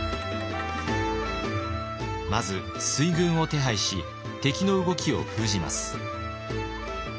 まず水軍を手配し敵の動きを封じます。